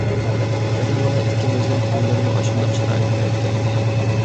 دادا، بالا ئىككىمىزنىڭ كۈنلىرىمۇ ئاشۇنداق شارائىتتا ئۆتكەنىدى.